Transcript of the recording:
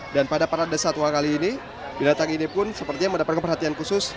dan pada para desa tua kali ini dilatang ini pun sepertinya mendapatkan perhatian khusus